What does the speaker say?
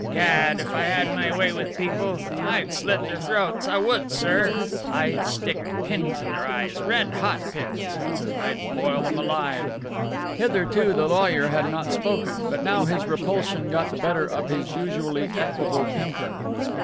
"Gad! If I had my way with people! I'd slit their throats, I would, sir. I'd stick pins in their eyes red hot pins. I'd boil them alive " Hitherto the lawyer had not spoken, but now his repulsion got the better of his usually equable temper.